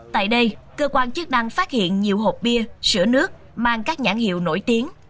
tại đây cơ quan chức năng phát hiện nhiều hộp bia sữa nước mang các nhãn hiệu nổi tiếng